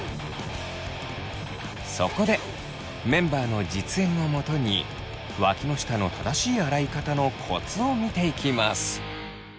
そこでメンバーの実演をもとにわきの下の正しい洗い方のコツを見ていきます。